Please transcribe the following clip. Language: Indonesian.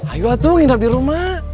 ayo atung hidup di rumah